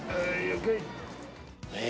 え